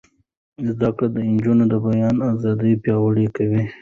زده کړه د نجونو د بیان ازادي پیاوړې کوي.